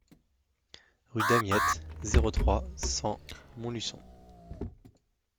Rue Damiette, zéro trois, cent Montluçon